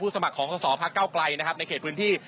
สมัครของสอสอพักเก้าไกลนะครับในเขตพื้นที่